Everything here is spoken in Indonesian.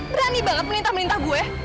berani banget minta minta gue